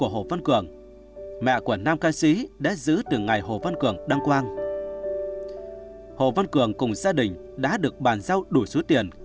hồ văn cường cùng gia đình đã được bàn giao đủ số tiền